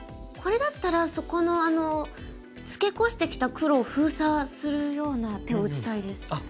これだったらそこのツケコしてきた黒を封鎖するような手を打ちたいです。